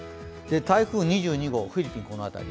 台風２２号、フィリピンはこの辺り。